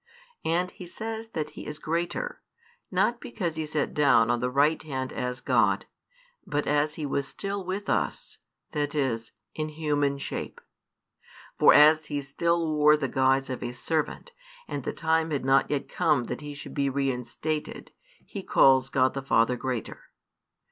And He says that He is greater, not because He sat down on the right hand as God, but as He was still with us, that is, in human shape. For as He still wore the guise of a servant, and the time had not yet come that He should be reinstated, He calls God the Father greater.